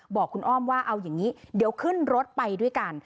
บอกคุณอ้อมว่าเอาอย่างนี้เดี๋ยวขึ้นรถไปด้วยกัน